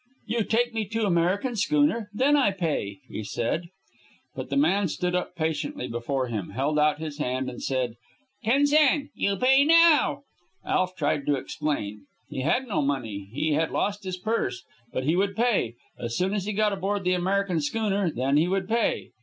"You take me to American schooner; then I pay," he said. But the man stood up patiently before him, held out his hand, and said, "Ten sen. You pay now." Alf tried to explain. He had no money. He had lost his purse. But he would pay. As soon as he got aboard the American schooner, then he would pay.